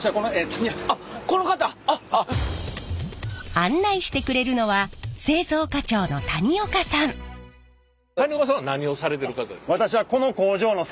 案内してくれるのは谷岡さんは何をされてる方ですか？